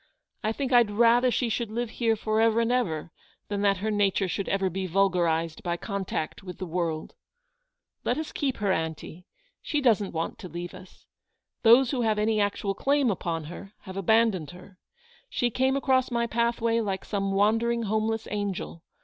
I think Fd rather she MRS. BANNISTER HOLDS OUT A HELPING HAND. 207 should live here for ever and ever, than that her nature should ever he vulgarised by contact with the world. Let us keep her, aunty; she doesn't want to leave us. Those who have any actual claim upon her have abandoned her. She came across my pathway like some wandering homeless angel.